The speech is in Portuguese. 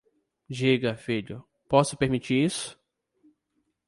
Diga, filho, posso permitir isso?